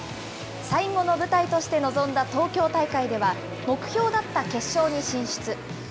最後の舞台として臨んだ東京大会では、目標だった決勝に進出。